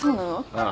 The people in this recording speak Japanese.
ああ。